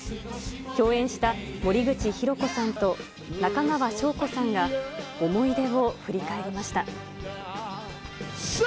共演した森口博子さんと中川翔子さんが、思い出を振り返りました。